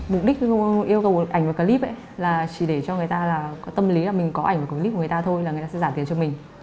mục đích yêu cầu ảnh và clip là chỉ để cho người ta tâm lý là mình có ảnh và clip của người ta thôi là người ta sẽ giả tiền cho mình